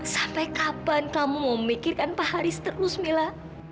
sampai kapan kamu memikirkan pak haris terus mila